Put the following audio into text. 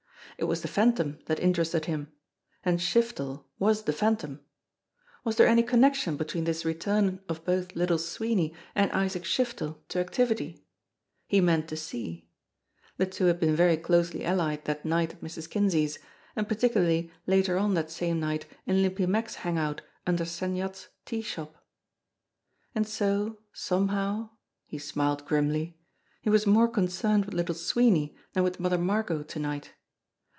It was the Phantom that interested him And Shiftel was the Phantom. Was there any connection be LITTLE SWEENEY 135 tween this return of both Little Sweeney and Isaac Shiftel to activity ? He meant to see ! The two had been very closely allied that night at Mrs. Kinsey's, and particularly later on that same night in Limpy Mack's hang out under Sen Yat's "tea shop." And so, somehow he smiled grimly he was more con cerned with Little Sweeney than with Mother Margot to night.